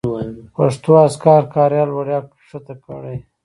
پښتو اذکار کاریال وړیا کښته کړئ.